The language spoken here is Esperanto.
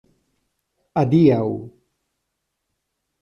Adiaŭ!